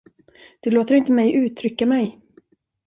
Du låter inte mig uttrycka mig.